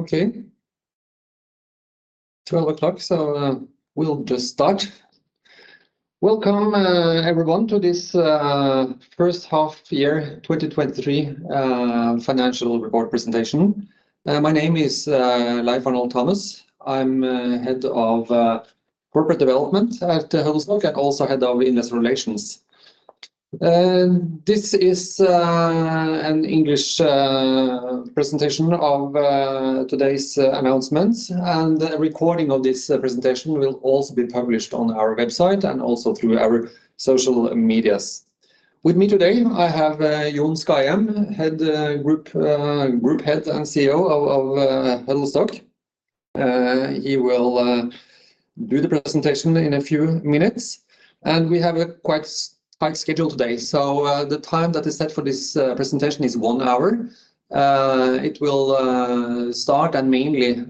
Okay. 12:00 P.M., so we'll just start. Welcome, everyone, to this first half year, 2023, financial report presentation. My name is Leif Arnold Thomas. I'm Head of Corporate Development at Huddlestock, and also Head of Investor Relations. This is an English presentation of today's announcements, and a recording of this presentation will also be published on our website and also through our social medias. With me today, I have John Skajem, Group CEO of Huddlestock. He will do the presentation in a few minutes, and we have a quite tight schedule today. So the time that is set for this presentation is one hour. It will start and mainly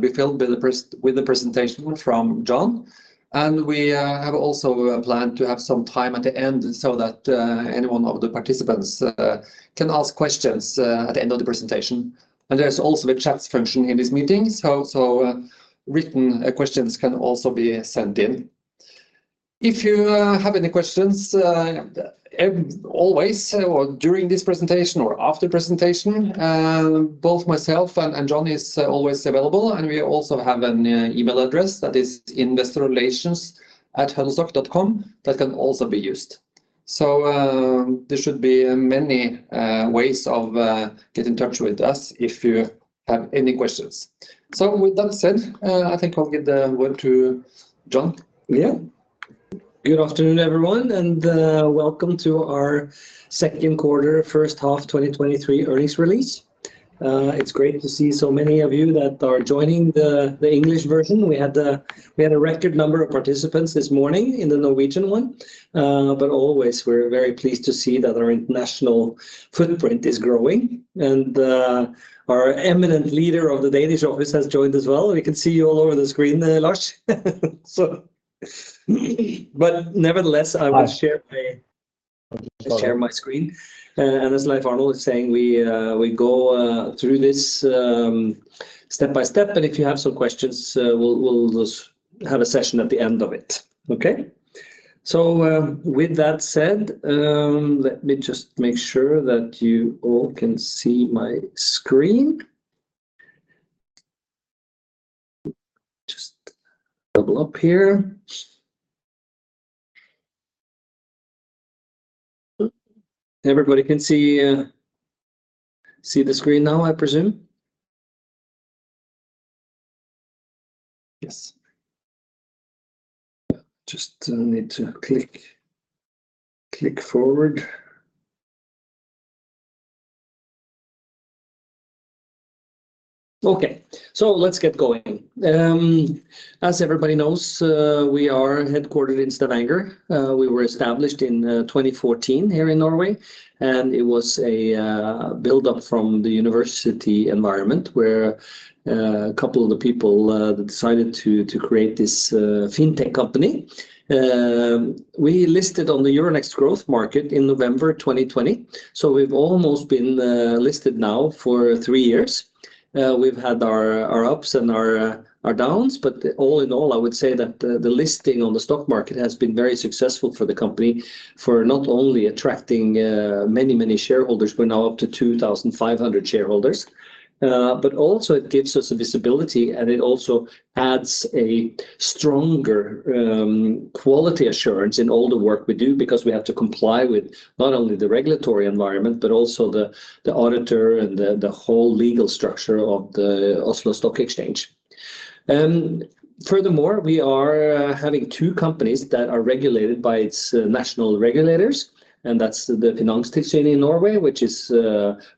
be filled with the presentation from John. We have also planned to have some time at the end, so that anyone of the participants can ask questions at the end of the presentation. There's also a chat function in this meeting, so written questions can also be sent in. If you have any questions always or during this presentation or after presentation, both myself and John is always available, and we also have an email address that is investorrelations@huddlestock.com, that can also be used. There should be many ways of get in touch with us if you have any questions. With that said, I think I'll give the word to John. Yeah. Good afternoon, everyone, and welcome to our second quarter, first half 2023 earnings release. It's great to see so many of you that are joining the English version. We had a record number of participants this morning in the Norwegian one. But always we're very pleased to see that our international footprint is growing, and our eminent leader of the Danish office has joined as well. We can see you all over the screen, Lars. So... But nevertheless, I will share my- Hi. Share my screen. And as Leif Arnold was saying, we go through this step by step, and if you have some questions, we'll just have a session at the end of it. Okay? So, with that said, let me just make sure that you all can see my screen. Just double up here. Everybody can see the screen now, I presume? Yes. Just need to click, click forward. Okay, so let's get going. As everybody knows, we are headquartered in Stavanger. We were established in 2014 here in Norway, and it was a build-up from the university environment, where a couple of the people decided to create this fintech company. We listed on the Euronext Growth market in November 2020, so we've almost been listed now for three years. We've had our ups and our downs, but all in all, I would say that the listing on the stock market has been very successful for the company, for not only attracting many, many shareholders, we're now up to 2,500 shareholders, but also it gives us a visibility, and it also adds a stronger quality assurance in all the work we do, because we have to comply with not only the regulatory environment, but also the auditor and the whole legal structure of the Oslo Stock Exchange. Furthermore, we are having two companies that are regulated by its national regulators, and that's the Finanstilsynet in Norway, which is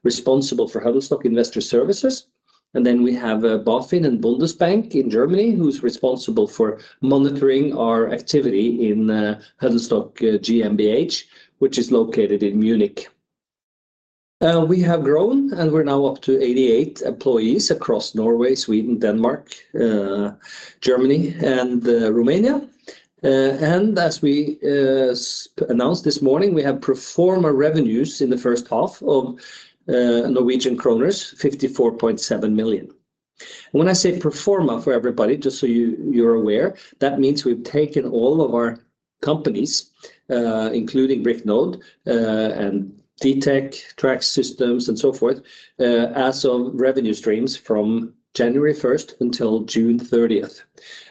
responsible for Huddlestock Investor Services. We have BaFin and Bundesbank in Germany, who's responsible for monitoring our activity in Huddlestock GmbH, which is located in Munich. We have grown, and we're now up to 88 employees across Norway, Sweden, Denmark, Germany, and Romania. As we announced this morning, we have pro forma revenues in the first half of Norwegian kroner 54.7 million. When I say pro forma for everybody, just so you, you're aware, that means we've taken all of our companies, including Bricknode and Dtech, Trac Systems, and so forth as revenue streams from January first until June thirtieth.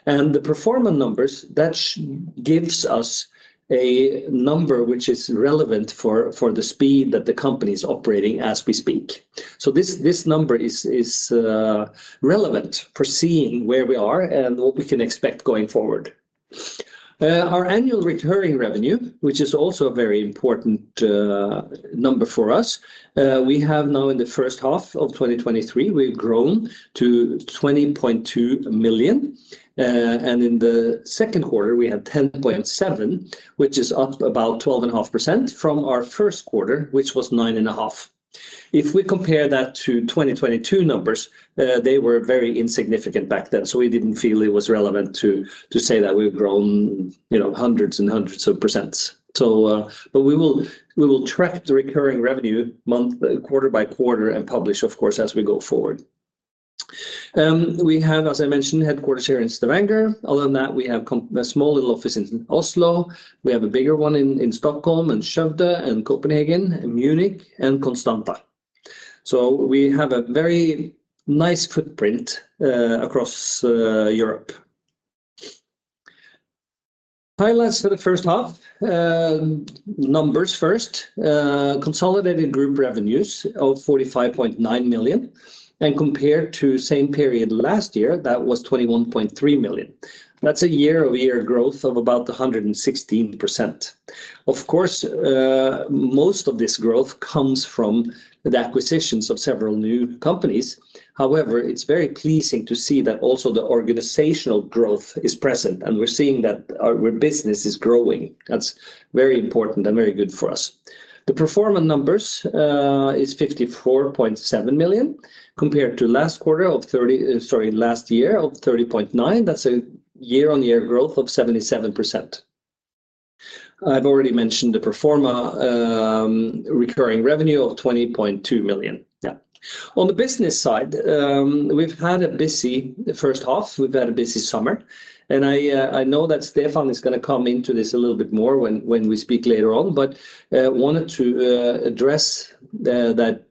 The pro forma numbers, that gives us a number which is relevant for the speed that the company is operating as we speak. This number is relevant for seeing where we are and what we can expect going forward. Our annual recurring revenue, which is also a very important number for us, we have now in the first half of 2023, we've grown to 20.2 million. And in the second quarter, we had 10.7 million, which is up about 12.5% from our first quarter, which was 9.5 million. If we compare that to 2022 numbers, they were very insignificant back then, so we didn't feel it was relevant to say that we've grown, you know, hundreds and hundreds of %. But we will track the recurring revenue quarter by quarter, and publish, of course, as we go forward. We have, as I mentioned, headquarters here in Stavanger. Other than that, we have a small little office in Oslo. We have a bigger one in Stockholm, and Skövde, and Copenhagen, and Munich, and Constanta. So we have a very nice footprint across Europe. Highlights for the first half. Numbers first, consolidated group revenues of 45.9 million, and compared to same period last year, that was 21.3 million. That's a year-over-year growth of about 116%. Of course, most of this growth comes from the acquisitions of several new companies. However, it's very pleasing to see that also the organizational growth is present, and we're seeing that our business is growing. That's very important and very good for us. The pro forma numbers is 54.7 million, compared to last year of 30.9 million. That's a year-on-year growth of 77%. I've already mentioned the pro forma recurring revenue of 20.2 million. Yeah. On the business side, we've had a busy first half. We've had a busy summer, and I know that Stefan is gonna come into this a little bit more when we speak later on, but wanted to address that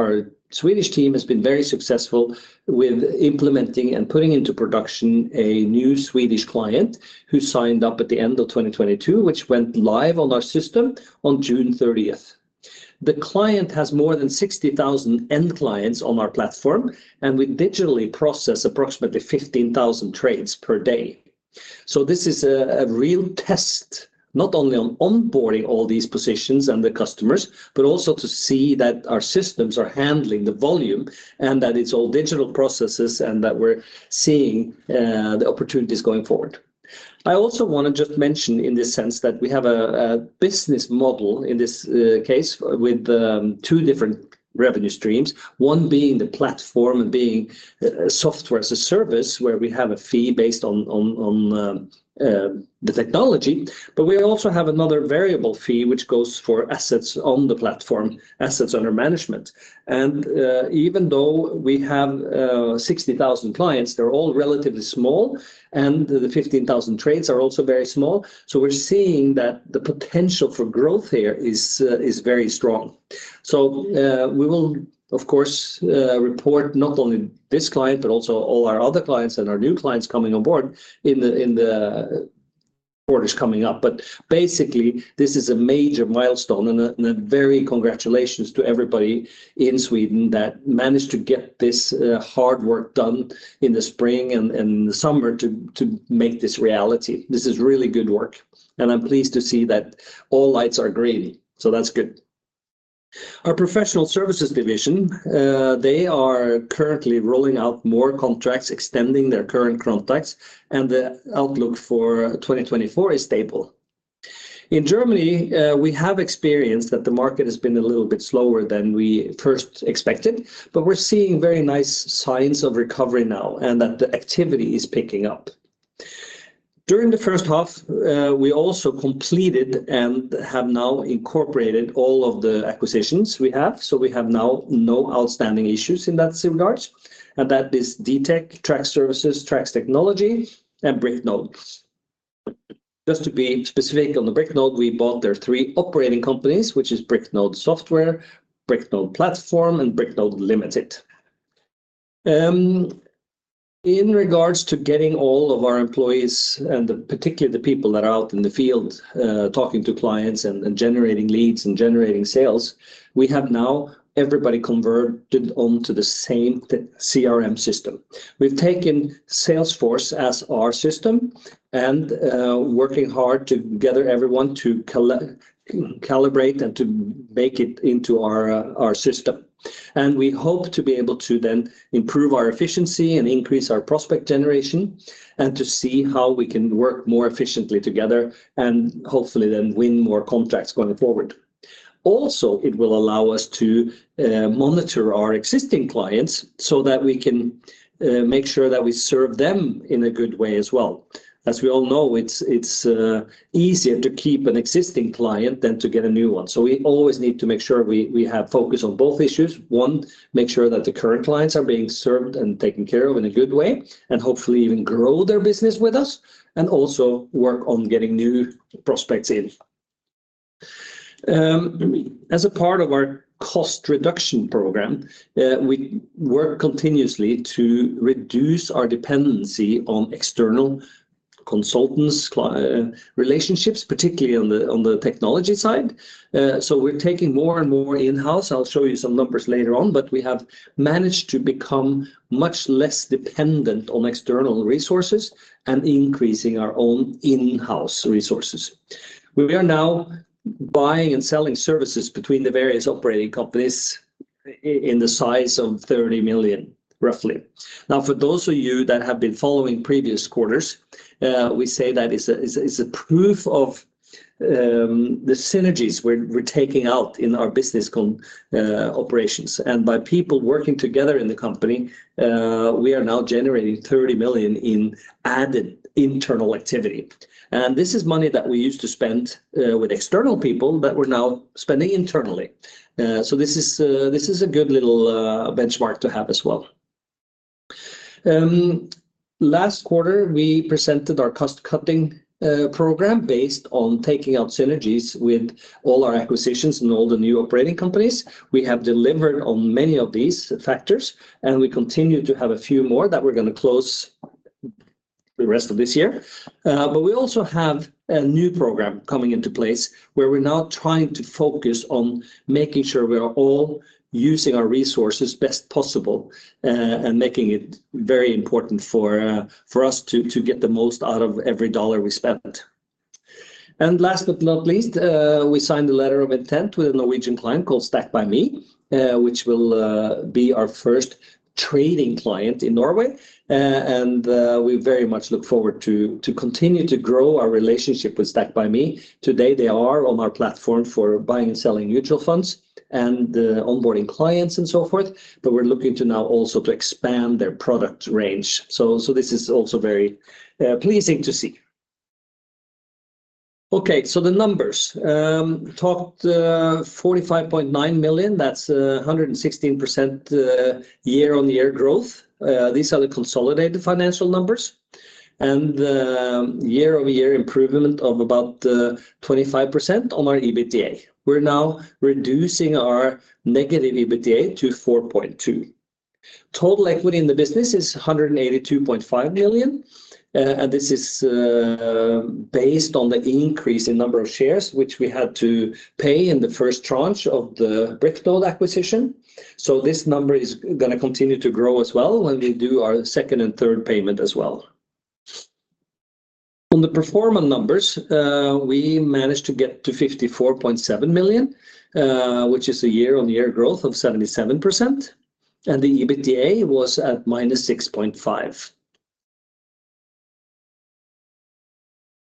our Swedish team has been very successful with implementing and putting into production a new Swedish client, who signed up at the end of 2022, which went live on our system on June 30th. The client has more than 60,000 end clients on our platform, and we digitally process approximately 15,000 trades per day. So this is a real test, not only on onboarding all these positions and the customers, but also to see that our systems are handling the volume, and that it's all digital processes, and that we're seeing the opportunities going forward. I also wanna just mention in this sense, that we have a business model, in this case, with two different revenue streams. One being the platform and being a software as a service, where we have a fee based on the technology, but we also have another variable fee, which goes for assets on the platform, assets under management. And even though we have 60,000 clients, they're all relatively small, and the 15,000 trades are also very small. So we're seeing that the potential for growth here is very strong. So, we will, of course, report not only this client, but also all our other clients and our new clients coming on board in the quarters coming up. But basically, this is a major milestone, and a, and a very congratulations to everybody in Sweden that managed to get this, hard work done in the spring and, and the summer to, to make this reality. This is really good work, and I'm pleased to see that all lights are green. So that's good. Our professional services division, they are currently rolling out more contracts, extending their current contracts, and the outlook for 2024 is stable. In Germany, we have experienced that the market has been a little bit slower than we first expected, but we're seeing very nice signs of recovery now, and that the activity is picking up. During the first half, we also completed and have now incorporated all of the acquisitions we have. So we have now no outstanding issues in that regards, and that is Dtech, Trac Services, Trac Technology, and Bricknode. Just to be specific, on the Bricknode, we bought their three operating companies, which is Bricknode Software, Bricknode Platform, and Bricknode Limited. In regards to getting all of our employees, and particularly the people that are out in the field, talking to clients and generating leads and generating sales, we have now everybody converted onto the same CRM system. We've taken Salesforce as our system and working hard to gather everyone to calibrate and to make it into our system. And we hope to be able to then improve our efficiency and increase our prospect generation, and to see how we can work more efficiently together, and hopefully then win more contracts going forward. Also, it will allow us to monitor our existing clients, so that we can make sure that we serve them in a good way as well. As we all know, it's easier to keep an existing client than to get a new one. So we always need to make sure we have focus on both issues. One, make sure that the current clients are being served and taken care of in a good way, and hopefully even grow their business with us, and also work on getting new prospects in. As a part of our cost reduction program, we work continuously to reduce our dependency on external consultants, relationships, particularly on the technology side. So we're taking more and more in-house. I'll show you some numbers later on, but we have managed to become much less dependent on external resources and increasing our own in-house resources. We are now buying and selling services between the various operating companies in the size of 30 million, roughly. Now, for those of you that have been following previous quarters, we say that is a proof of the synergies we're taking out in our business operations. By people working together in the company, we are now generating 30 million in added internal activity. This is money that we used to spend with external people, but we're now spending internally. So this is a good little benchmark to have as well. Last quarter, we presented our cost-cutting program based on taking out synergies with all our acquisitions and all the new operating companies. We have delivered on many of these factors, and we continue to have a few more that we're gonna close the rest of this year. But we also have a new program coming into place, where we're now trying to focus on making sure we are all using our resources best possible, and making it very important for us to get the most out of every dollar we spend. Last but not least, we signed a letter of intent with a Norwegian client called Stack by.me, which will be our first trading client in Norway. We very much look forward to continue to grow our relationship with Stack by.me. Today, they are on our platform for buying and selling mutual funds and onboarding clients and so forth, but we're looking to now also to expand their product range. So this is also very pleasing to see. Okay, so the numbers. Talked 45.9 million, that's 116% year-over-year growth. These are the consolidated financial numbers, and year-over-year improvement of about 25% on our EBITDA. We're now reducing our negative EBITDA to 4.2 million. Total equity in the business is 182.5 million, and this is based on the increase in number of shares, which we had to pay in the first tranche of the Bricknode acquisition. So this number is gonna continue to grow as well when we do our second and third payment as well. On the pro forma numbers, we managed to get to 54.7 million, which is a year-on-year growth of 77%, and the EBITDA was at -6.5 million.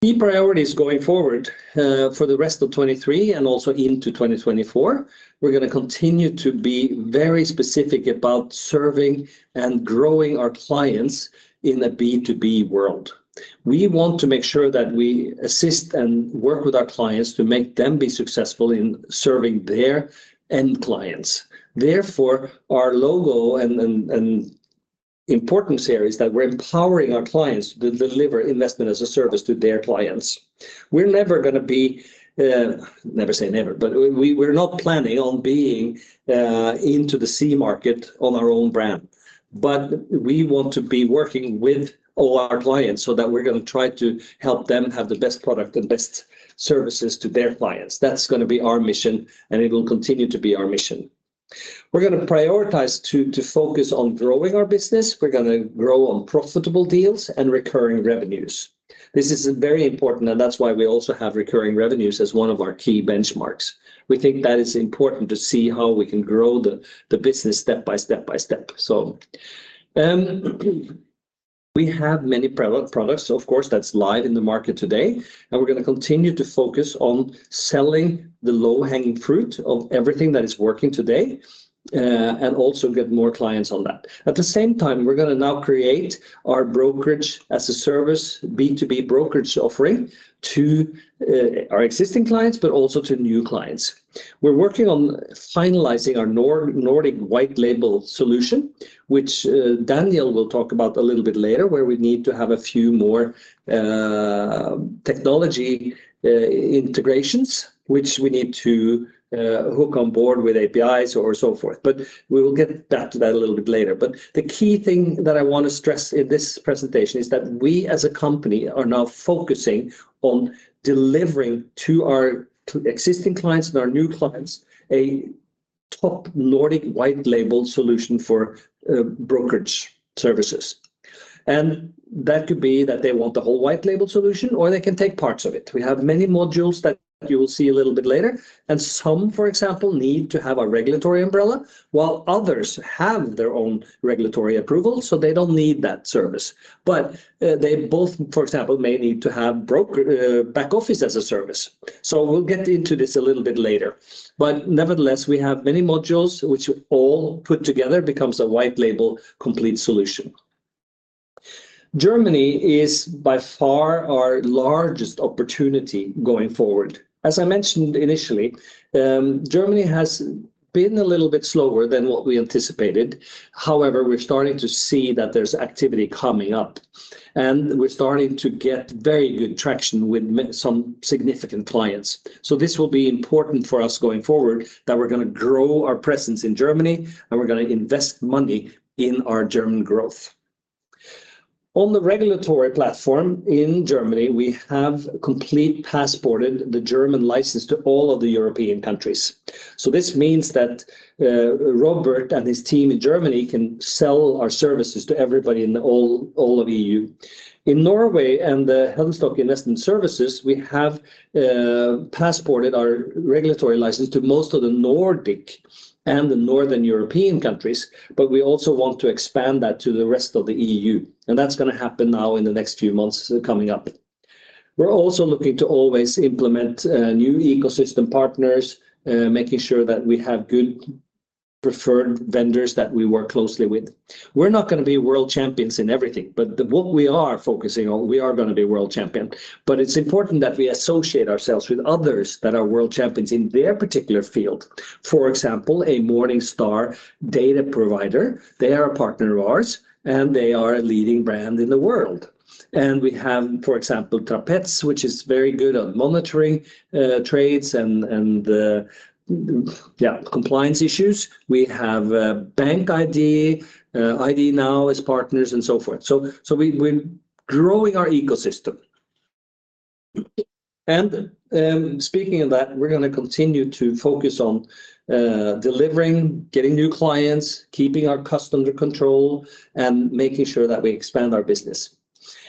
Key priorities going forward, for the rest of 2023 and also into 2024, we're gonna continue to be very specific about serving and growing our clients in a B2B world. We want to make sure that we assist and work with our clients to make them be successful in serving their end clients. Therefore, our logo and important series, that we're empowering our clients to deliver investment as a service to their clients. We're never gonna be, never say never, but we, we're not planning on being into the C market on our own brand. But we want to be working with all our clients so that we're gonna try to help them have the best product and best services to their clients. That's gonna be our mission, and it will continue to be our mission. We're gonna prioritize to focus on growing our business. We're gonna grow on profitable deals and recurring revenues. This is very important, and that's why we also have recurring revenues as one of our key benchmarks. We think that it's important to see how we can grow the business step by step. So, we have many products, of course, that's live in the market today, and we're gonna continue to focus on selling the low-hanging fruit of everything that is working today, and also get more clients on that. At the same time, we're gonna now create our brokerage-as-a-service, B2B brokerage offering to our existing clients, but also to new clients. We're working on finalizing our Nordic white label solution, which Daniel will talk about a little bit later, where we need to have a few more technology integrations, which we need to hook on board with APIs or so forth. But we will get to that a little bit later. But the key thing that I wanna stress in this presentation is that we, as a company, are now focusing on delivering to our existing clients and our new clients, a top Nordic white label solution for brokerage services. That could be that they want the whole white label solution, or they can take parts of it. We have many modules that you will see a little bit later, and some, for example, need to have a regulatory umbrella, while others have their own regulatory approval, so they don't need that service. But they both, for example, may need to have broker back office as a service. We'll get into this a little bit later. But nevertheless, we have many modules which all put together becomes a white label, complete solution. Germany is by far our largest opportunity going forward. As I mentioned initially, Germany has been a little bit slower than what we anticipated. However, we're starting to see that there's activity coming up, and we're starting to get very good traction with some significant clients. So this will be important for us going forward, that we're gonna grow our presence in Germany, and we're gonna invest money in our German growth. On the regulatory platform in Germany, we have complete passported the German license to all of the European countries. So this means that, Robert and his team in Germany can sell our services to everybody in all of EU. In Norway and the Huddlestock Investor Services, we have passported our regulatory license to most of the Nordic and the Northern European countries, but we also want to expand that to the rest of the EU, and that's gonna happen now in the next few months coming up. We're also looking to always implement new ecosystem partners, making sure that we have good preferred vendors that we work closely with. We're not gonna be world champions in everything, but what we are focusing on, we are gonna be world champion. But it's important that we associate ourselves with others that are world champions in their particular field. For example, a Morningstar data provider, they are a partner of ours, and they are a leading brand in the world. We have, for example, Trapets, which is very good at monitoring trades and compliance issues. We have BankID, IDnow as partners, and so forth. So we're growing our ecosystem. Speaking of that, we're gonna continue to focus on delivering, getting new clients, keeping our cost under control, and making sure that we expand our business.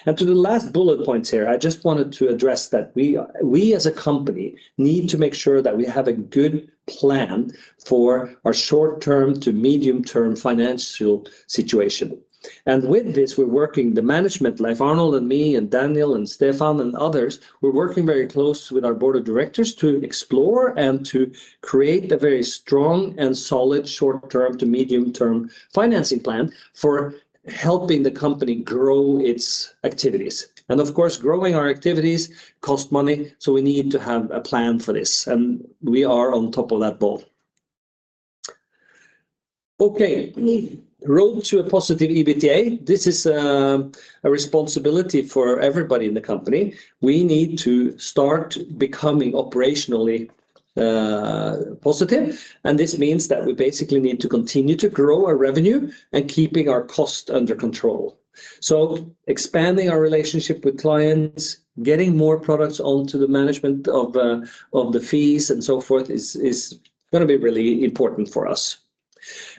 To the last bullet points here, I just wanted to address that we, as a company, need to make sure that we have a good plan for our short-term to medium-term financial situation. With this, we, the management, like Arnold and me and Daniel and Stefan and others, are working very close with our board of directors to explore and to create a very strong and solid short-term to medium-term financing plan for helping the company grow its activities. And of course, growing our activities costs money, so we need to have a plan for this, and we are on top of that ball. Okay, road to a positive EBITDA. This is a responsibility for everybody in the company. We need to start becoming operationally positive, and this means that we basically need to continue to grow our revenue and keeping our cost under control. So expanding our relationship with clients, getting more products onto the management of the fees and so forth is gonna be really important for us.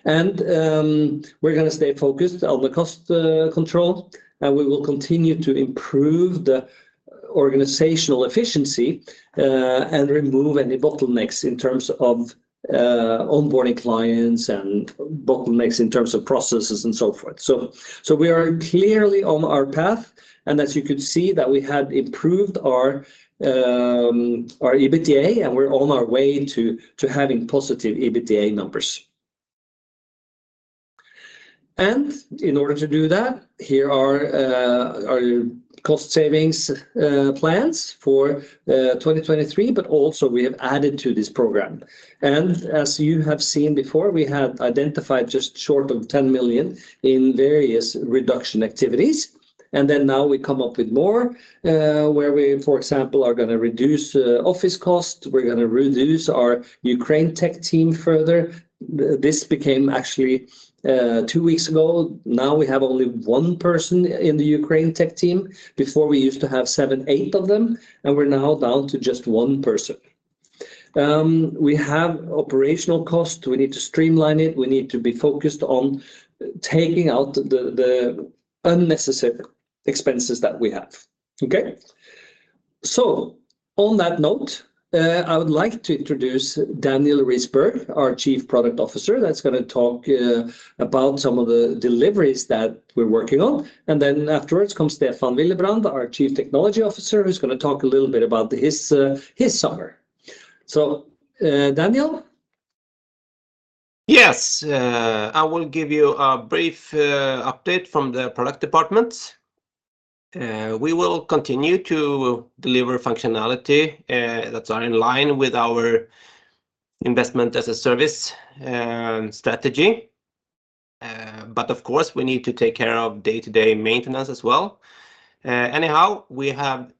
We're gonna stay focused on the cost control, and we will continue to improve the organizational efficiency, and remove any bottlenecks in terms of onboarding clients and bottlenecks in terms of processes and so forth. So we are clearly on our path, and as you could see, that we had improved our EBITDA, and we're on our way to having positive EBITDA numbers. And in order to do that, here are our cost savings plans for 2023, but also we have added to this program. And as you have seen before, we have identified just short of 10 million in various reduction activities, and then now we come up with more, where we, for example, are gonna reduce office costs. We're gonna reduce our Ukraine tech team further. This became actually two weeks ago. Now we have only one person in the Ukraine tech team. Before, we used to have seven to eight of them, and we're now down to just one person. We have operational costs. We need to streamline it. We need to be focused on taking out the unnecessary expenses that we have. Okay? On that note, I would like to introduce Daniel Risberg, our Chief Product Officer, that's gonna talk about some of the deliveries that we're working on. And then afterwards comes Stefan Willebrand, our Chief Technology Officer, who's gonna talk a little bit about his summer. So, Daniel? Yes. I will give you a brief update from the product department. We will continue to deliver functionality that are in line with our Investment-as-a-Service strategy. But of course, we need to take care of day-to-day maintenance as well. Anyhow, we have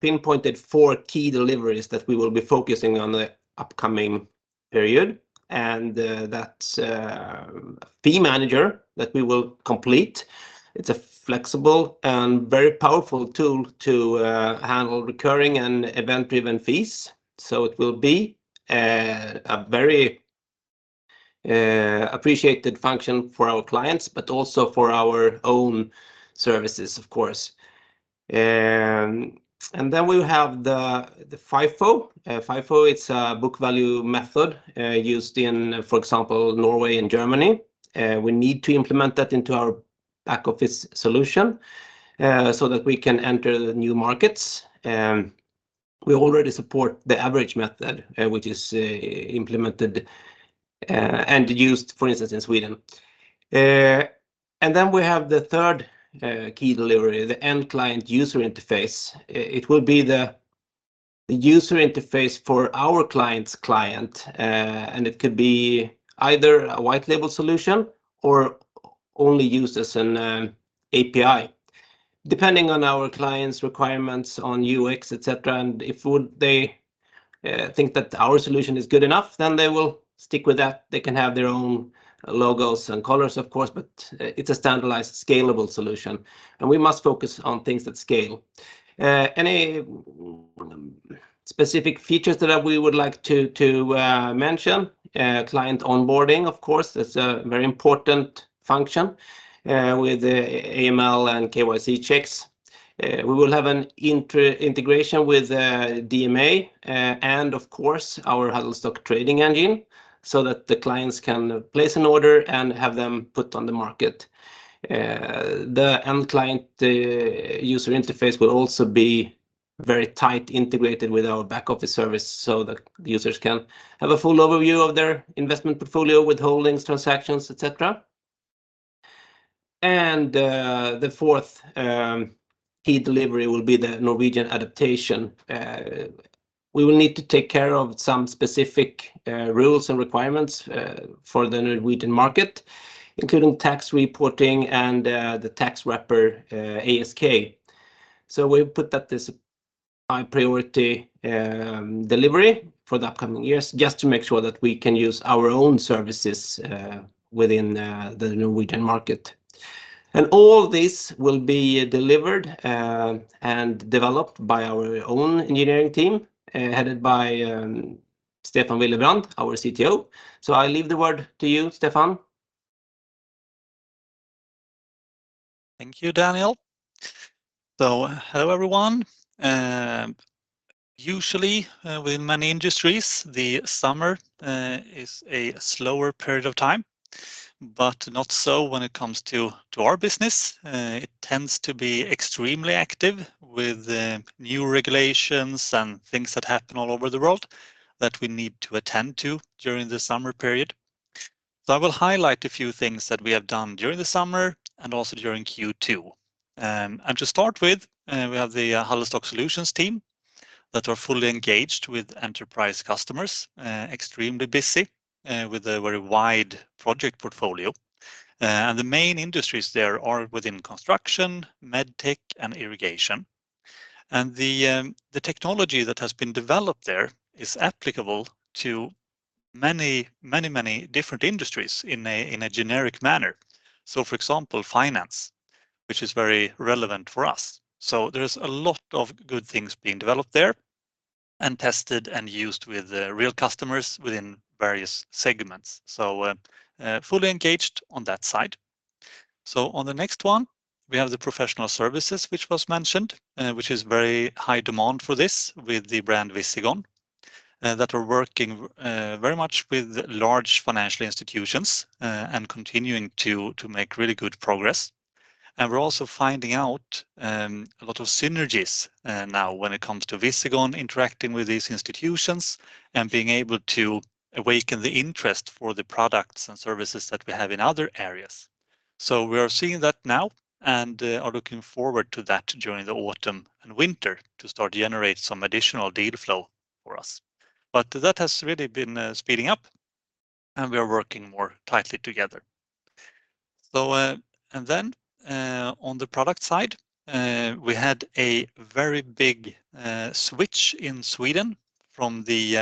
pinpointed four key deliveries that we will be focusing on the upcoming period, and that's Fee Manager that we will complete. It's a flexible and very powerful tool to handle recurring and event-driven fees. So it will be a very appreciated function for our clients, but also for our own services, of course. And then we have the FIFO. FIFO, it's a book value method, used in, for example, Norway and Germany, we need to implement that into our back-office solution, so that we can enter the new markets. We already support the average method, which is implemented and used, for instance, in Sweden. And then we have the third key delivery, the end client user interface. It will be the user interface for our client's client, and it could be either a white label solution or only used as an API, depending on our client's requirements on UX, et cetera. And if would they think that our solution is good enough, then they will stick with that. They can have their own logos and colors, of course, but it's a standardized, scalable solution, and we must focus on things that scale. Any specific features that we would like to mention, client onboarding, of course, is a very important function with the AML and KYC checks. We will have an integration with DMA and, of course, our Huddlestock trading engine, so that the clients can place an order and have them put on the market. The end client user interface will also be very tight integrated with our back-office service so that users can have a full overview of their investment portfolio, withholdings, transactions, et cetera. The fourth key delivery will be the Norwegian adaptation. We will need to take care of some specific rules and requirements for the Norwegian market including tax reporting and the tax wrapper, ASK. So we've put that as a high priority delivery for the upcoming years, just to make sure that we can use our own services within the Norwegian market. All this will be delivered and developed by our own engineering team headed by Stefan Willebrand, our CTO. So I leave the word to you, Stefan. Thank you, Daniel. So hello, everyone. Usually, within many industries, the summer is a slower period of time, but not so when it comes to our business. It tends to be extremely active with the new regulations and things that happen all over the world that we need to attend to during the summer period. So I will highlight a few things that we have done during the summer and also during Q2. And to start with, we have the Huddlestock Solutions team that are fully engaged with enterprise customers, extremely busy, with a very wide project portfolio. And the main industries there are within construction, med tech, and irrigation. The technology that has been developed there is applicable to many, many, many different industries in a generic manner. So, for example, finance, which is very relevant for us. So there's a lot of good things being developed there and tested and used with real customers within various segments, so fully engaged on that side. So on the next one, we have the professional services, which was mentioned, which is very high demand for this with the brand Visigon, that are working very much with large financial institutions, and continuing to make really good progress. And we're also finding out a lot of synergies now when it comes to Visigon interacting with these institutions and being able to awaken the interest for the products and services that we have in other areas. So we are seeing that now and are looking forward to that during the autumn and winter to start generate some additional data flow for us. But that has really been speeding up, and we are working more tightly together. So, and then, on the product side, we had a very big switch in Sweden from the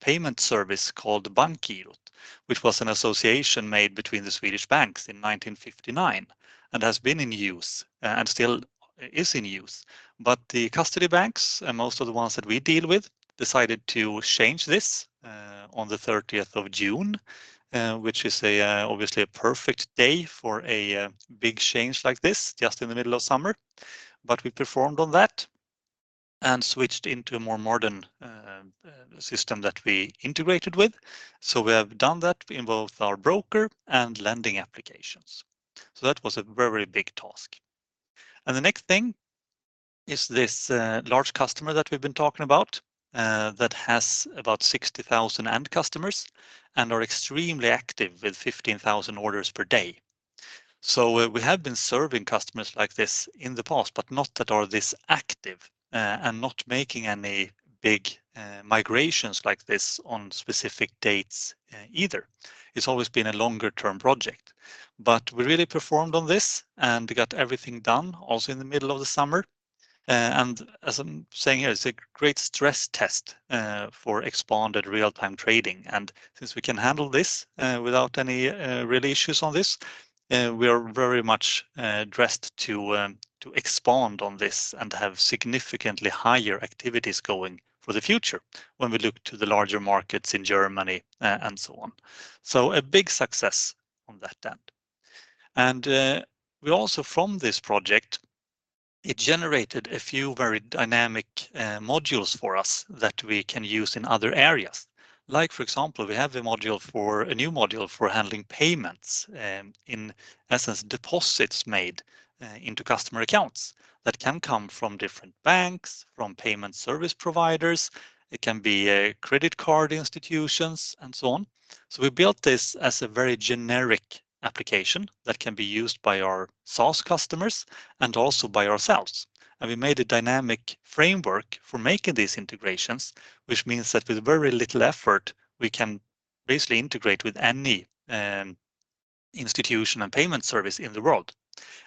payment service called Bankgirot, which was an association made between the Swedish banks in 1959 and has been in use, and still is in use. But the custody banks, and most of the ones that we deal with, decided to change this on the thirtieth of June, which is a obviously a perfect day for a big change like this, just in the middle of summer. But we performed on that and switched into a more modern system that we integrated with. So we have done that in both our broker and lending applications. So that was a very big task. The next thing is this large customer that we've been talking about that has about 60,000 end customers and are extremely active with 15,000 orders per day. So we have been serving customers like this in the past, but not that are this active and not making any big migrations like this on specific dates either. It's always been a longer-term project. But we really performed on this and got everything done, also in the middle of the summer. And as I'm saying here, it's a great stress test for expanded real-time trading. Since we can handle this without any real issues on this, we are very much dressed to expand on this and have significantly higher activities going for the future when we look to the larger markets in Germany and so on. So a big success on that end. And we also from this project, it generated a few very dynamic modules for us that we can use in other areas. Like, for example, we have a new module for handling payments, in essence, deposits made into customer accounts that can come from different banks, from payment service providers, it can be credit card institutions, and so on. So we built this as a very generic application that can be used by our SaaS customers and also by ourselves. We made a dynamic framework for making these integrations, which means that with very little effort, we can basically integrate with any institution and payment service in the world.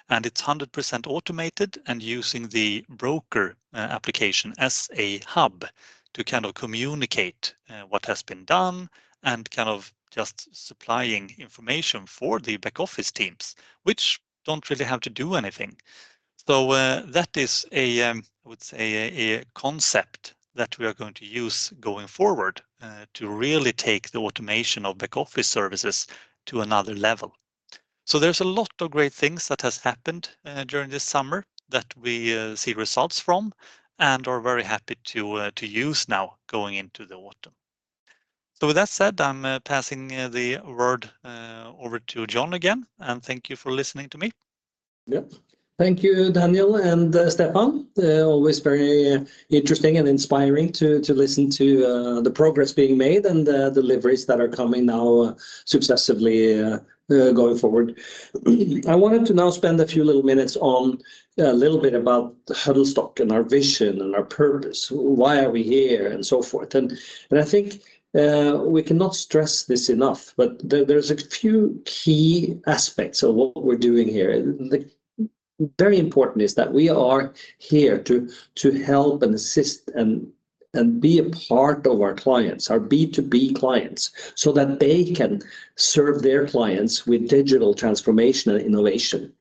And it's 100% automated and using the broker application as a hub to kind of communicate what has been done and kind of just supplying information for the back office teams, which don't really have to do anything. So that is a concept that we are going to use going forward to really take the automation of back office services to another level. So there's a lot of great things that has happened during this summer that we see results from and are very happy to use now going into the autumn. With that said, I'm passing the word over to John again, and thank you for listening to me. Yep. Thank you, Daniel and Stefan. Always very interesting and inspiring to listen to the progress being made and the deliveries that are coming now successively going forward. I wanted to now spend a few little minutes on a little bit about Huddlestock and our vision and our purpose, why are we here, and so forth. And I think we cannot stress this enough, but there's a few key aspects of what we're doing here. And the very important is that we are here to help and assist and be a part of our clients, our B2B clients, so that they can serve their clients with digital transformation and innovation,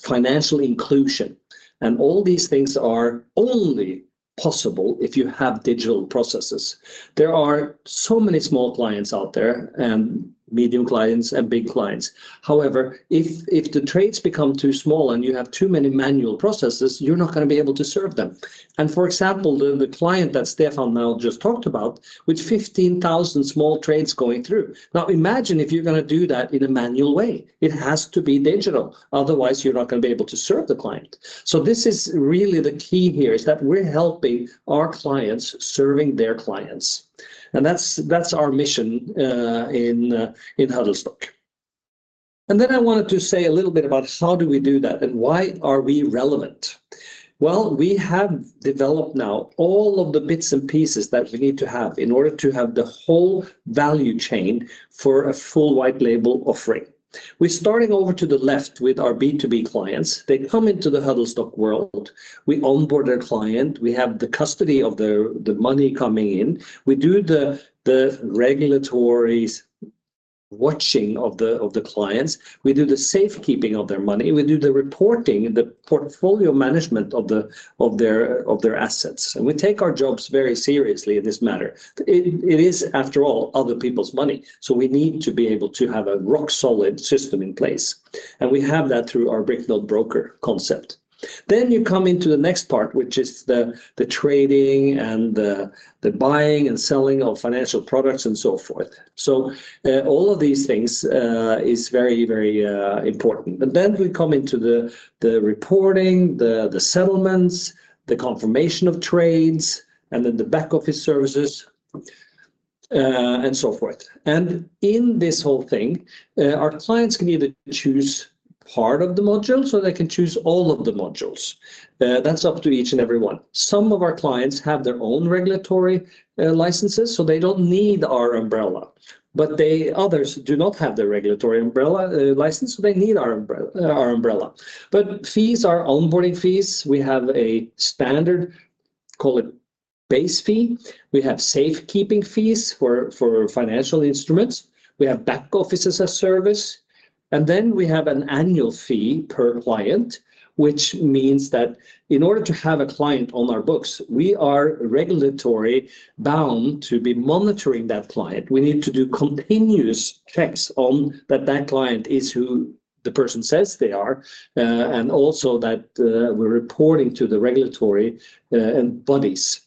financial inclusion. And all these things are only possible if you have digital processes. There are so many small clients out there, and medium clients, and big clients. However, if the trades become too small and you have too many manual processes, you're not gonna be able to serve them. And for example, the client that Stefan now just talked about, with 15,000 small trades going through. Now, imagine if you're gonna do that in a manual way. It has to be digital, otherwise, you're not gonna be able to serve the client. So this is really the key here, is that we're helping our clients serving their clients, and that's our mission in Huddlestock. And then I wanted to say a little bit about how do we do that, and why are we relevant? Well, we have developed now all of the bits and pieces that we need to have in order to have the whole value chain for a full white label offering. We're starting over to the left with our B2B clients. They come into the Huddlestock world, we onboard their client, we have the custody of their... the money coming in, we do the regulatory watching of the clients, we do the safekeeping of their money, we do the reporting, the portfolio management of their assets, and we take our jobs very seriously in this matter. It is, after all, other people's money, so we need to be able to have a rock-solid system in place, and we have that through our brick-built broker concept. Then you come into the next part, which is the trading and the buying and selling of financial products, and so forth. So, all of these things is very, very important. But then we come into the reporting, the settlements, the confirmation of trades, and then the back office services, and so forth. And in this whole thing, our clients can either choose part of the module, or they can choose all of the modules. That's up to each and everyone. Some of our clients have their own regulatory licenses, so they don't need our umbrella. But they others do not have the regulatory umbrella license, so they need our umbrella, our umbrella. But fees, our onboarding fees, we have a standard, call it base fee. We have safekeeping fees for financial instruments. We have back office as a service, and then we have an annual fee per client, which means that in order to have a client on our books, we are regulatory bound to be monitoring that client. We need to do continuous checks on that client is who the person says they are, and also that we're reporting to the regulatory bodies.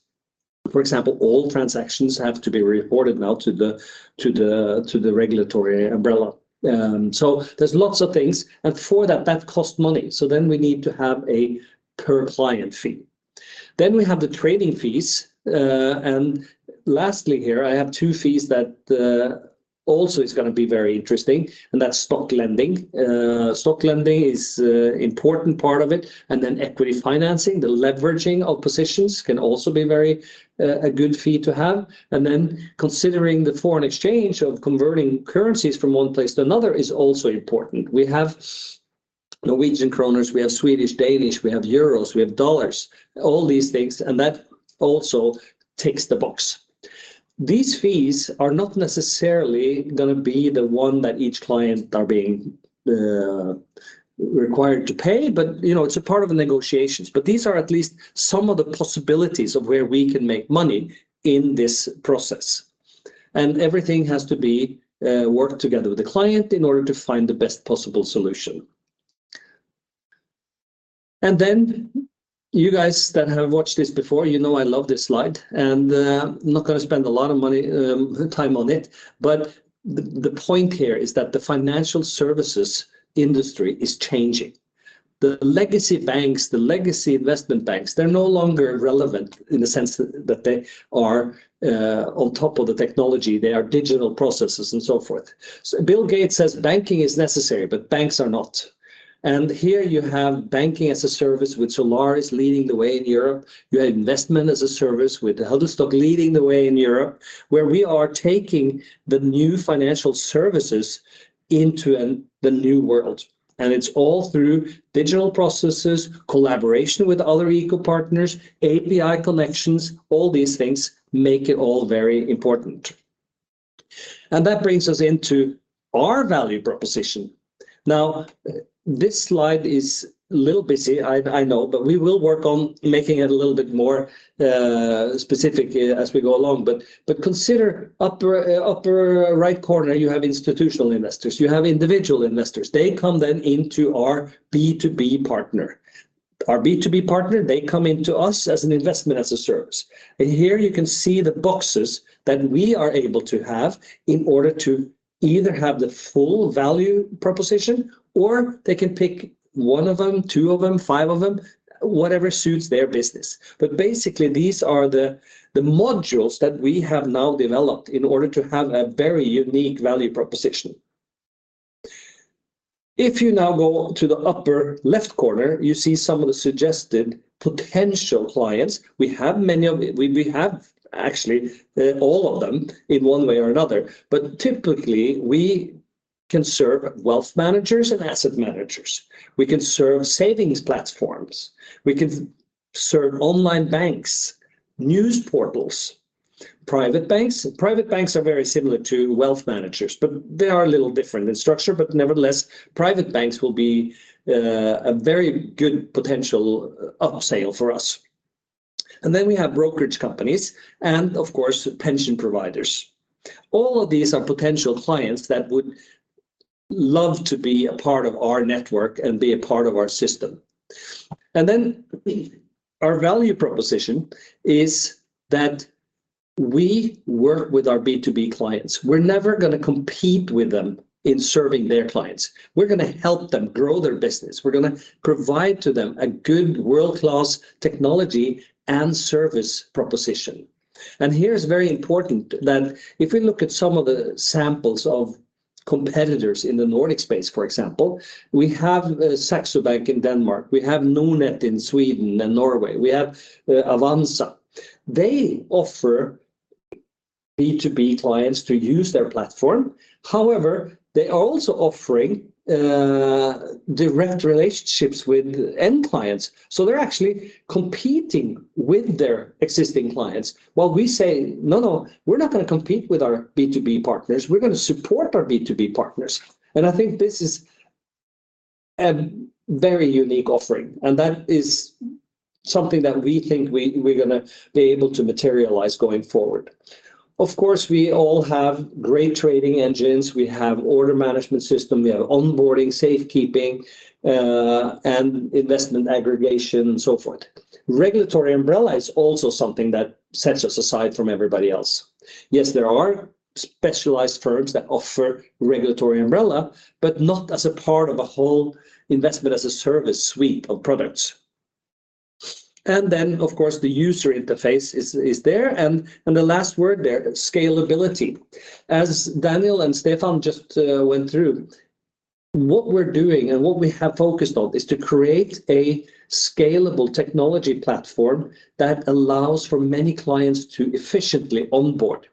For example, all transactions have to be reported now to the regulatory umbrella. So there's lots of things, and for that that costs money, so then we need to have a per-client fee. Then we have the trading fees. And lastly here, I have two fees that also is gonna be very interesting, and that's stock lending. Stock lending is an important part of it, and then equity financing, the leveraging of positions, can also be very a good fee to have. And then considering the foreign exchange of converting currencies from one place to another is also important. We have Norwegian kroner, we have Swedish, Danish, we have euros, we have dollars, all these things, and that also ticks the box. These fees are not necessarily gonna be the one that each client are being required to pay, but, you know, it's a part of the negotiations. But these are at least some of the possibilities of where we can make money in this process. And everything has to be worked together with the client in order to find the best possible solution. Then you guys that have watched this before, you know I love this slide, and I'm not gonna spend a lot of money, time on it, but the point here is that the financial services industry is changing. The legacy banks, the legacy investment banks, they're no longer relevant in the sense that they are on top of the technology, they are digital processes, and so forth. Bill Gates says, "Banking is necessary, but banks are not." And here you have banking as a service, which Solar is leading the way in Europe. You have investment as a service, with Huddlestock leading the way in Europe, where we are taking the new financial services into the new world. And it's all through digital processes, collaboration with other eco partners, API connections, all these things make it all very important. And that brings us into our value proposition. Now, this slide is a little busy, I know, but we will work on making it a little bit more specific as we go along. But consider upper right corner, you have institutional investors, you have individual investors. They come then into our B2B partner. Our B2B partner, they come into us as an investment, as a service. And here you can see the boxes that we are able to have in order to either have the full value proposition, or they can pick one of them, two of them, five of them, whatever suits their business. But basically, these are the modules that we have now developed in order to have a very unique value proposition. If you now go to the upper left corner, you see some of the suggested potential clients. We have actually all of them in one way or another, but typically we can serve wealth managers and asset managers. We can serve savings platforms, we can serve online banks, news portals, private banks. Private banks are very similar to wealth managers, but they are a little different in structure. But nevertheless, private banks will be a very good potential upsale for us. And then we have brokerage companies and of course, pension providers. All of these are potential clients that would love to be a part of our network and be a part of our system. And then our value proposition is that we work with our B2B clients. We're never gonna compete with them in serving their clients. We're gonna help them grow their business. We're gonna provide to them a good world-class technology and service proposition. Here is very important that if we look at some of the samples of competitors in the Nordic space, for example, we have Saxo Bank in Denmark, we have Nordnet in Sweden and Norway, we have Avanza. They offer B2B clients to use their platform. However, they are also offering direct relationships with end clients, so they're actually competing with their existing clients. While we say, "No, no, we're not gonna compete with our B2B partners, we're gonna support our B2B partners." And I think this is a very unique offering, and that is something that we think we, we're gonna be able to materialize going forward. Of course, we all have great trading engines, we have order management system, we have onboarding, safekeeping, and investment aggregation, and so forth. Regulatory umbrella is also something that sets us aside from everybody else. Yes, there are specialized firms that offer regulatory umbrella, but not as a part of a whole investment, as a service suite of products. And then, of course, the user interface is there. And the last word there, scalability. As Daniel and Stefan just went through, what we're doing and what we have focused on is to create a scalable technology platform that allows for many clients to efficiently onboard.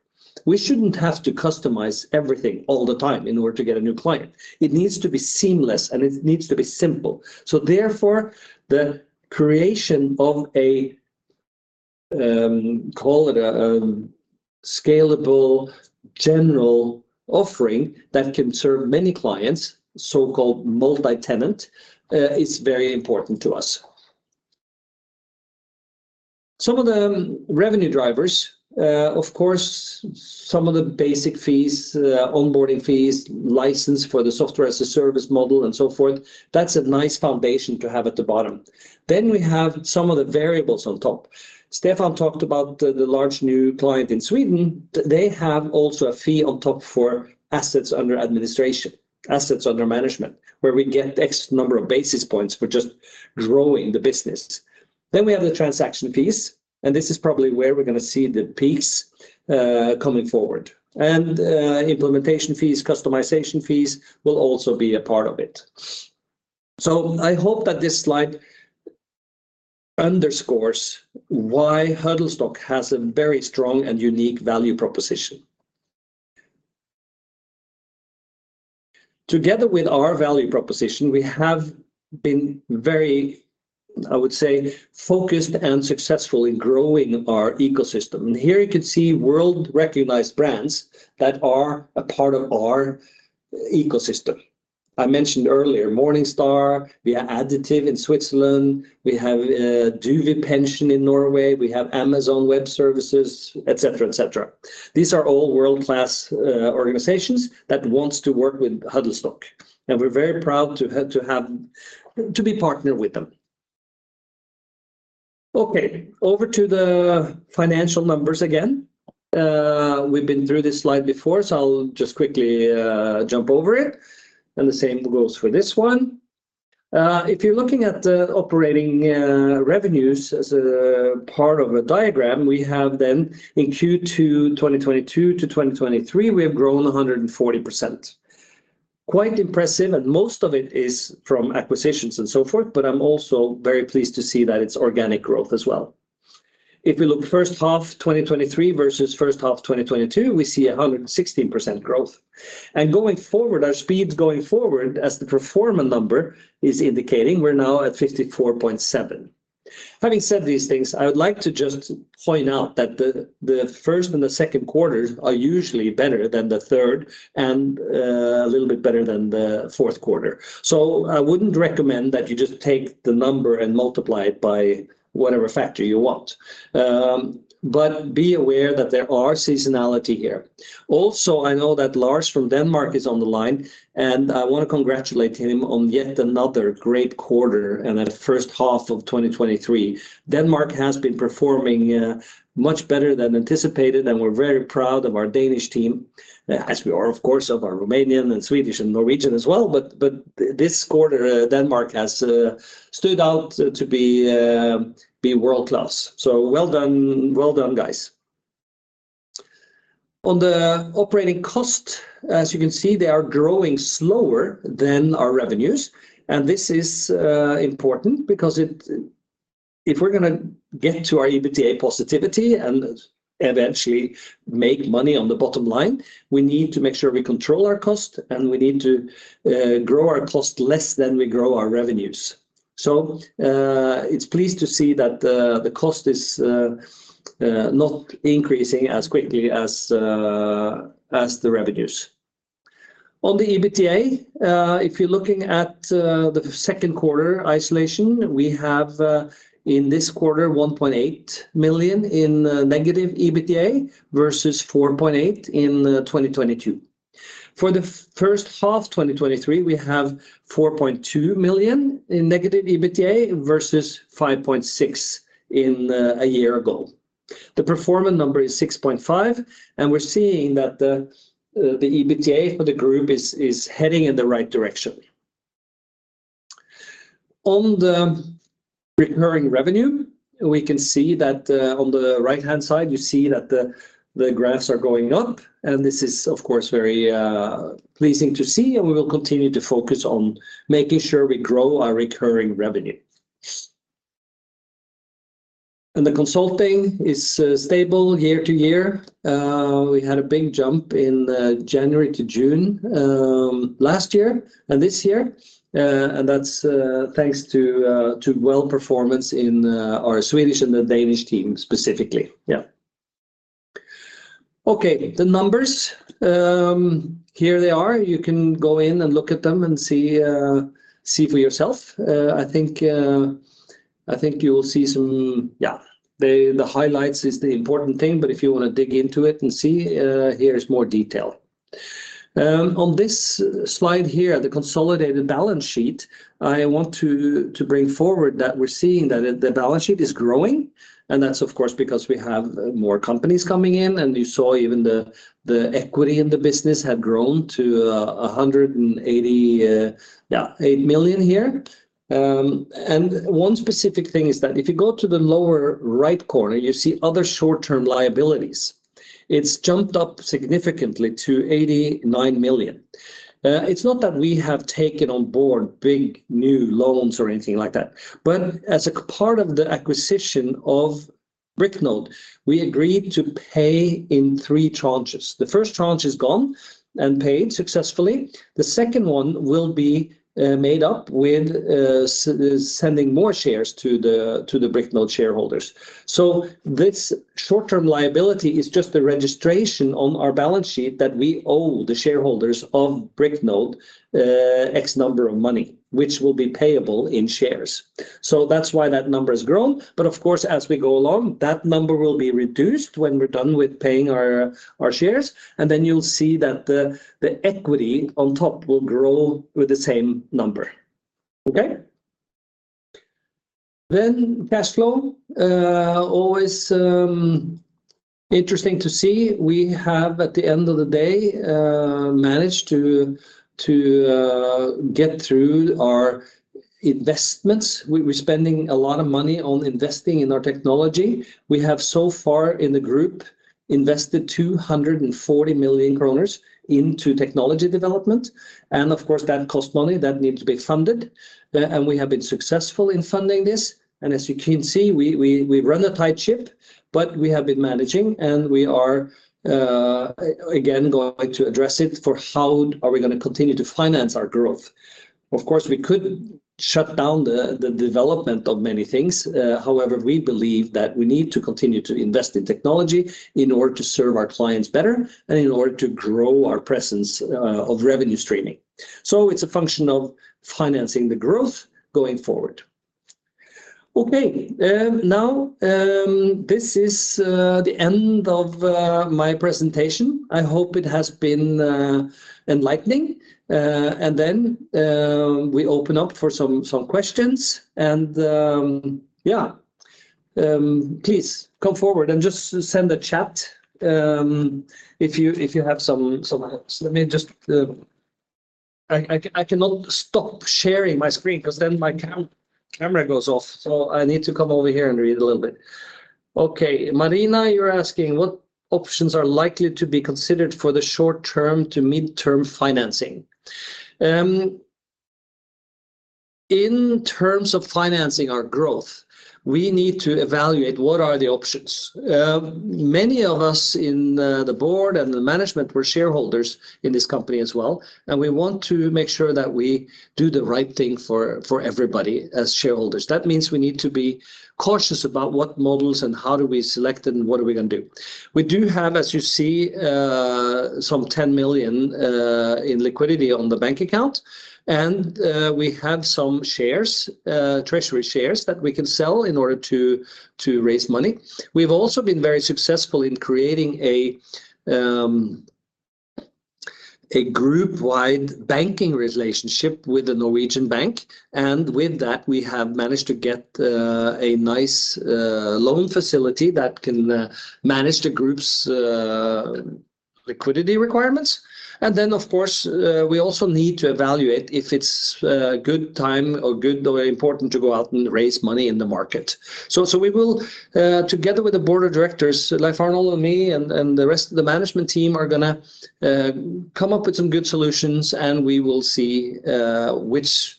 We shouldn't have to customize everything all the time in order to get a new client. It needs to be seamless, and it needs to be simple. So therefore, the creation of a call it a scalable general offering that can serve many clients, so-called multi-tenant, is very important to us. Some of the revenue drivers, of course, some of the basic fees, onboarding fees, license for the software as a service model and so forth, that's a nice foundation to have at the bottom. Then we have some of the variables on top. Stefan talked about the, the large new client in Sweden. They have also a fee on top for assets under administration, assets under management, where we get X number of basis points for just growing the business. Then we have the transaction fees, and this is probably where we're gonna see the peaks, coming forward. Implementation fees, customization fees will also be a part of it. So I hope that this slide underscores why Huddlestock has a very strong and unique value proposition. Together with our value proposition, we have been very, I would say, focused and successful in growing our ecosystem. Here you can see world-recognized brands that are a part of our ecosystem. I mentioned earlier, Morningstar, we have Additiv in Switzerland, we have, DNB Pension in Norway, we have Amazon Web Services, et cetera, et cetera. These are all world-class organizations that wants to work with Huddlestock, and we're very proud to have to be partnered with them. Okay, over to the financial numbers again. We've been through this slide before, so I'll just quickly jump over it. The same goes for this one. If you're looking at the operating revenues as a part of a diagram, we have then in Q2 2022 to 2023, we have grown 140%. Quite impressive, and most of it is from acquisitions and so forth, but I'm also very pleased to see that it's organic growth as well. If we look first half 2023 versus first half 2022, we see 116% growth. And going forward, our speeds going forward as the pro forma number is indicating, we're now at 54.7. Having said these things, I would like to just point out that the first and second quarters are usually better than the third, and a little bit better than the fourth quarter. So I wouldn't recommend that you just take the number and multiply it by whatever factor you want. But be aware that there are seasonality here. Also, I know that Lars from Denmark is on the line, and I wanna congratulate him on yet another great quarter and the first half of 2023. Denmark has been performing much better than anticipated, and we're very proud of our Danish team, as we are, of course, of our Romanian and Swedish and Norwegian as well. But this quarter, Denmark has stood out to be world-class. So well done, well done, guys. On the operating cost, as you can see, they are growing slower than our revenues. And this is important because it, if we're gonna get to our EBITDA positivity and eventually make money on the bottom line, we need to make sure we control our cost, and we need to grow our cost less than we grow our revenues. So it's pleased to see that the cost is not increasing as quickly as the revenues. On the EBITDA, if you're looking at the second quarter in isolation, we have in this quarter 1.8 million in negative EBITDA versus 4.8 million in 2022. For the first half 2023, we have 4.2 million in negative EBITDA versus 5.6 million a year ago. The pro forma number is 6.5 million, and we're seeing that the EBITDA for the group is heading in the right direction. On the recurring revenue, we can see that on the right-hand side, you see that the graphs are going up, and this is, of course, very pleasing to see, and we will continue to focus on making sure we grow our recurring revenue. And the consulting is stable year to year. We had a big jump in January to June last year and this year. And that's thanks to well performance in our Swedish and the Danish team, specifically. Yeah. Okay, the numbers here they are. You can go in and look at them and see for yourself. I think you will see some... Yeah, the highlights is the important thing, but if you wanna dig into it and see here is more detail. On this slide here, the consolidated balance sheet, I want to bring forward that we're seeing that the balance sheet is growing, and that's of course because we have more companies coming in, and you saw even the equity in the business had grown to 188 million here. And one specific thing is that if you go to the lower right corner, you see other short-term liabilities. It's jumped up significantly to 89 million. It's not that we have taken on board big new loans or anything like that, but as a part of the acquisition of Bricknode, we agreed to pay in three tranches. The first tranche is gone and paid successfully. The second one will be made up with sending more shares to the, to the Bricknode shareholders. So this short-term liability is just a registration on our balance sheet that we owe the shareholders of Bricknode, X number of money, which will be payable in shares. So that's why that number has grown. But of course, as we go along, that number will be reduced when we're done with paying our shares, and then you'll see that the equity on top will grow with the same number. Okay? Then cash flow, always interesting to see. We have, at the end of the day, managed to get through our investments. We're spending a lot of money on investing in our technology. We have so far in the group, invested 240 million kroner into technology development. And of course, that cost money that needs to be funded, and we have been successful in funding this. And as you can see, we run a tight ship, but we have been managing, and we are again going to address it for how are we gonna continue to finance our growth. Of course, we could shut down the development of many things. However, we believe that we need to continue to invest in technology in order to serve our clients better and in order to grow our presence of revenue streaming. So it's a function of financing the growth going forward. Okay, now, this is the end of my presentation. I hope it has been enlightening. And then, we open up for some questions, and please come forward and just send a chat if you have some hands. Let me just. I cannot stop sharing my screen 'cause then my camera goes off, so I need to come over here and read a little bit. Okay, Marina, you're asking, "What options are likely to be considered for the short term to mid-term financing?" In terms of financing our growth, we need to evaluate what are the options. Many of us in the board and the management, we're shareholders in this company as well, and we want to make sure that we do the right thing for, for everybody as shareholders. That means we need to be cautious about what models and how do we select it and what are we going to do? We do have, as you see, some 10 million in liquidity on the bank account, and we have some shares, treasury shares that we can sell in order to, to raise money. We've also been very successful in creating a group-wide banking relationship with the Norwegian bank, and with that, we have managed to get a nice loan facility that can manage the group's liquidity requirements. And then, of course, we also need to evaluate if it's a good time or good or important to go out and raise money in the market. So we will, together with the board of directors, Leif Arnold and me and the rest of the management team, are gonna come up with some good solutions, and we will see which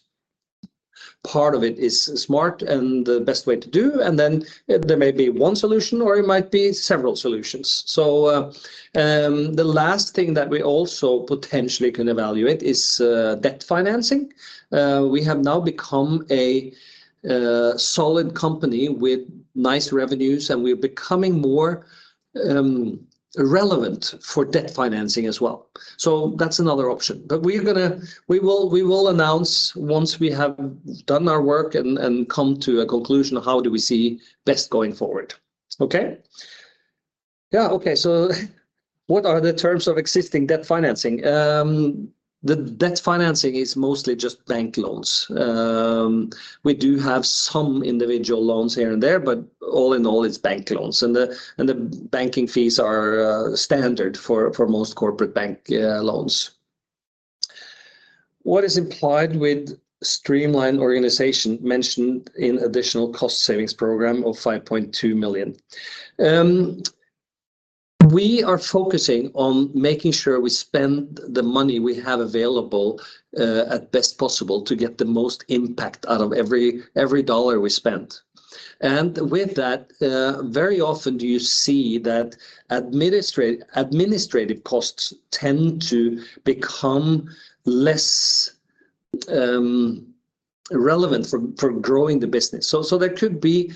part of it is smart and the best way to do. And then there may be one solution, or it might be several solutions. So the last thing that we also potentially can evaluate is debt financing. We have now become a solid company with nice revenues, and we're becoming more relevant for debt financing as well. So that's another option. But we will, we will announce once we have done our work and come to a conclusion of how do we see best going forward. Okay? Yeah, okay. So what are the terms of existing debt financing? The debt financing is mostly just bank loans. We do have some individual loans here and there, but all in all, it's bank loans, and the banking fees are standard for most corporate bank loans. What is implied with streamlined organization mentioned in additional cost savings program of 5.2 million? We are focusing on making sure we spend the money we have available at best possible to get the most impact out of every, every dollar we spend. And with that, very often do you see that administrative costs tend to become less relevant for, for growing the business. So, so there could be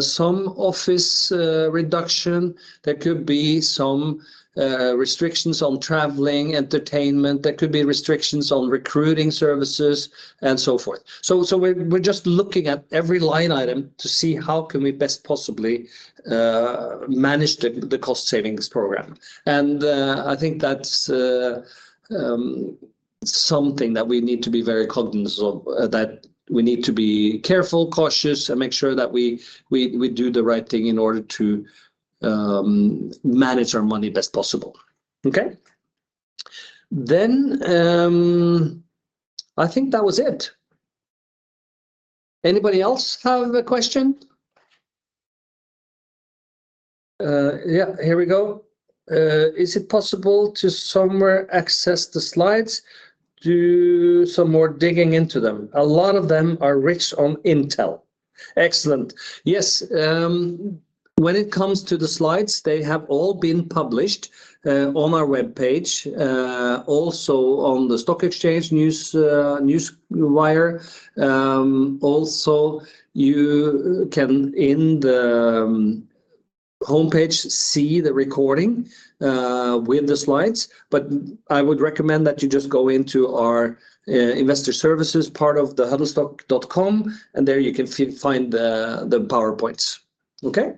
some office reduction, there could be some restrictions on traveling, entertainment, there could be restrictions on recruiting services, and so forth. So, so we're, we're just looking at every line item to see how can we best possibly manage the, the cost savings program. And, I think that's something that we need to be very cognizant of, that we need to be careful, cautious, and make sure that we, we, we do the right thing in order to manage our money best possible. Okay? Then, I think that was it. Anybody else have a question? Yeah, here we go. Is it possible to somewhere access the slides, do some more digging into them? A lot of them are rich on intel. Excellent. Yes, when it comes to the slides, they have all been published on our web page, also on the stock exchange news, news wire. Also, you can, in the homepage, see the recording with the slides. But I would recommend that you just go into our Investor Services part of the Huddlestock.com, and there you can find the PowerPoints. Okay?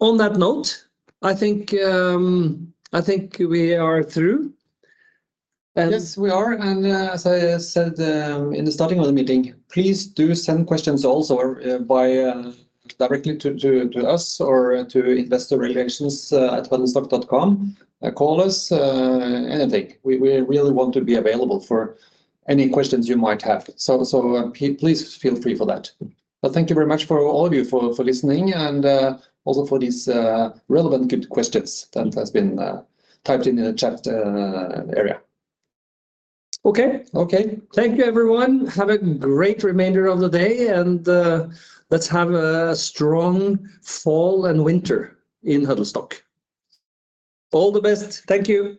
On that note, I think, I think we are through. Yes, we are, and as I said, in the starting of the meeting, please do send questions also or by directly to us or to investorrelations@huddlestock.com. Call us, anything. We really want to be available for any questions you might have. So please feel free for that. But thank you very much for all of you for listening and also for these relevant good questions that has been typed in the chat area. Okay. Okay. Thank you, everyone. Have a great remainder of the day, and let's have a strong fall and winter in Huddlestock. All the best. Thank you.